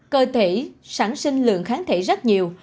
cơ thể sẵn sinh lượng kháng thể rất nhiều